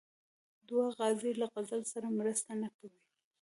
دوه قافیې له غزل سره مرسته نه کوي.